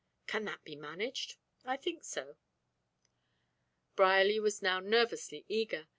"Can that be managed?" "I think so." Brierly was now nervously eager.